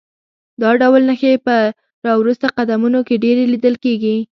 دا ډول نښې په راوروسته قومونو کې ډېرې لیدل کېږي